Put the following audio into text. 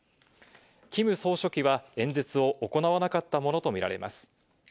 キム総書記は演説を行わなかったものと見られます。